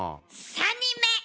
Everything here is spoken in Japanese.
３人目！